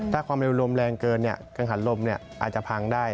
ถ้าความเร็วลมแรงเกินกังหันลมอาจจะพังได้